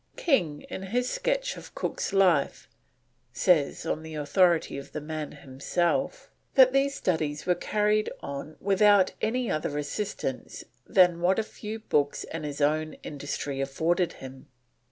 King in his sketch of Cook's life, says, on the authority of the man himself, that these studies were carried on "without any other assistance than what a few books and his own industry afforded him."